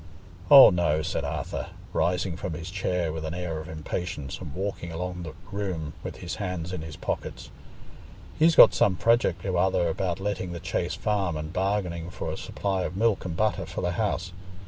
"Oh no," said Arthur, rising from his chair with an air of impatience and walking along the room with his hands in his pockets. "He's got some project or other about letting the Chase Farm and bargaining for a supply of milk and butter for the house.